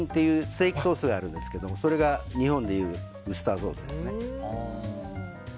酢液ソースがあるんですがそれが日本でいうウスターソースですね。